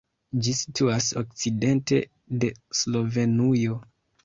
Ĝi situas okcidente de Slovenujo.